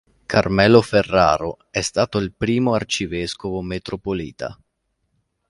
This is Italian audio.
Carmelo Ferraro è stato il primo arcivescovo metropolita.